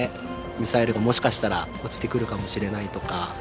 ミサイルがもしかしたら落ちてくるかもしれないとか。